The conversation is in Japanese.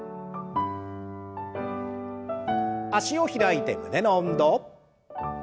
脚を開いて胸の運動。